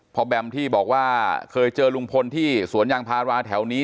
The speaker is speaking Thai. แบมที่บอกว่าเคยเจอลุงพลที่สวนยางพาราแถวนี้